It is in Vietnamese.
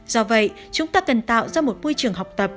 do vậy chúng ta cần tạo ra một môi trường học tập